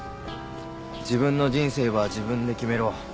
「自分の人生は自分で決めろ」。